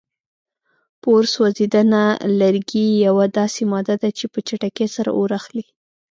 په اور سوځېدنه: لرګي یوه داسې ماده ده چې په چټکۍ سره اور اخلي.